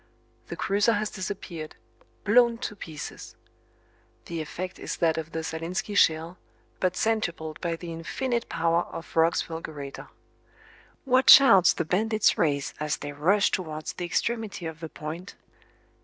The cruiser has disappeared, blown to pieces. The effect is that of the Zalinski shell, but centupled by the infinite power of Roch's fulgurator. What shouts the bandits raise as they rush towards the extremity of the point!